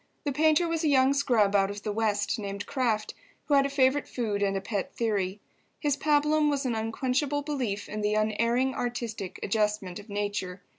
The painter was a young scrub out of the West named Kraft, who had a favourite food and a pet theory. His pabulum was an unquenchable belief in the Unerring Artistic Adjustment of Nature.